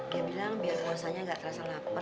dia bilang biar puasanya nggak terasa lapar